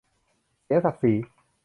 เสียศักดิ์ศรี